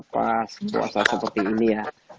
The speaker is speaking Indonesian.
pas puasa seperti ini ya